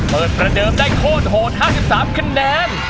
ประเดิมได้โคตรโหด๕๓คะแนน